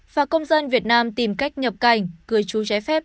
và công dân việt nam tìm cách nhập cảnh trái phép